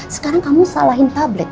sekarang kamu salahin tablet